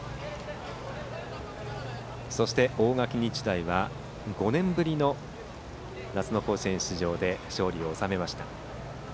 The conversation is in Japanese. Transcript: そして、大垣日大は５年ぶりの夏の甲子園出場で勝利を収めました。